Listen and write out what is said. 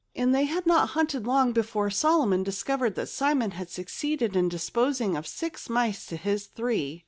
And they had not hunted long before Solomon discovered that Simon had succeeded in disposing of six mice to his three.